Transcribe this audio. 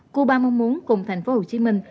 cuba mong muốn cùng thành phố hồ chí minh